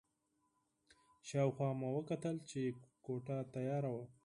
شا او خوا مې وکتل چې کوټه تیاره وه.